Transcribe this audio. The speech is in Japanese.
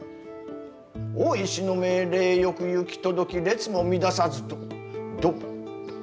「大石の命令よく行き届き列も乱さずドドドドドドド。